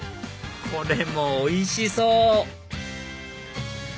これもおいしそう！